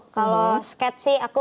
kalau sket sih aku